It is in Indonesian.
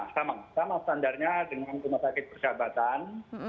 sama sama standarnya dengan rumah sakit persahabatan